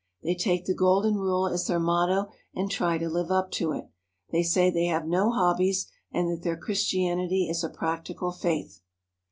They take the Golden Rule as their motto and try to live up to it. They say they have no hobbies, and that their Christianity is a practical faith.